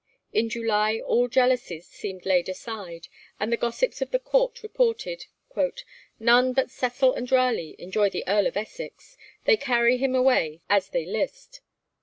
In July all jealousies seemed laid aside, and the gossips of the Court reported, 'None but Cecil and Raleigh enjoy the Earl of Essex, they carry him away as they list.'